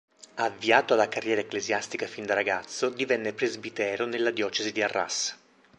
Avviato alla carriera ecclesiastica fin da ragazzo, divenne presbitero nella diocesi di Arras.